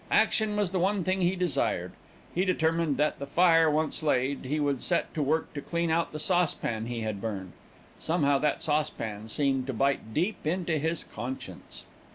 Action was the one thing he desired. He determined that, the fire once laid, he would set to work to clean out the saucepan he had burned. Somehow that saucepan seemed to bite deep into his conscience.